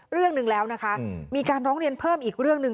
เรื่องหนึ่งแล้วนะคะมีการร้องเรียนเพิ่มอีกเรื่องหนึ่ง